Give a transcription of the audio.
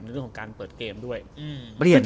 เรื่องของการเปิดเกมด้วย